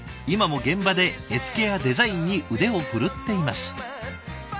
今も現場で絵付けやデザインに腕を振るっています。